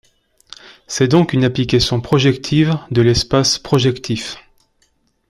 C'est donc une application projective de l'espace projectif.